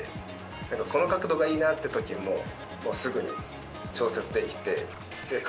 なんかこの角度がいいなって時もすぐに調節できて。